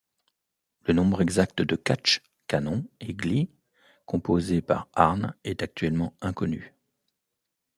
Le nombre exact de catches, canons, et glees composés par Arne est actuellement inconnu.